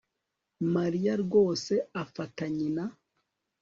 Mariya rwose afata nyina